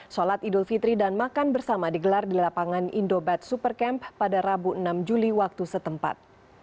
sholat idul fitri dan makan bersama digelar di lapangan indobat supercamp pada rabu enam juli waktu setempat